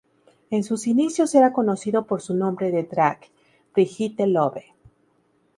En sus inicios era conocido por su nombre drag "Brigitte Love.